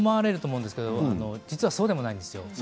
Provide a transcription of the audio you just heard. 実はそうでもないんです。